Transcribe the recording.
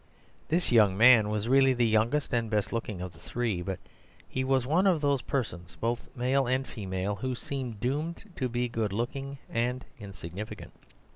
This young man was really the youngest and best looking of the three. But he was one of those persons, both male and female, who seem doomed to be good looking and insignificant.